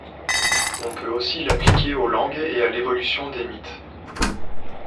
On peut aussi l'appliquer aux langues et à l'évolution des mythes.